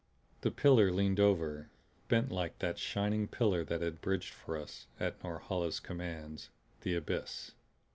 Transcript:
The pillar leaned over bent like that shining pillar that had bridged for us, at Norhala's commands, the abyss.